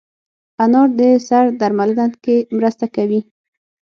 انار د سر درملنه کې مرسته کوي.